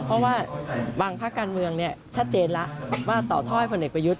เพราะว่าบางภาคการเมืองชัดเจนแล้วว่าต่อท่อผลเอกประยุทธ์